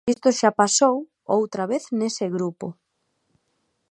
Isto xa pasou outra vez nese grupo.